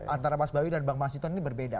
antara mas bawi dan bang mas hinton ini berbeda